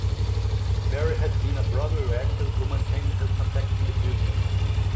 Merrill had been a Broadway actress who maintained her contacts in the business.